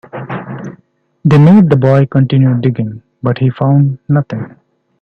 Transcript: They made the boy continue digging, but he found nothing.